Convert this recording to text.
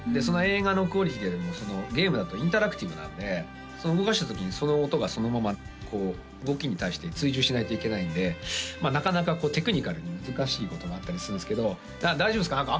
その映画のクオリティーってでもゲームだとインタラクティブなんで動かしたときにその音がそのままこう動きに対して追従しないといけないんでなかなかテクニカルに難しいことがあったりするんですけど大丈夫ですか？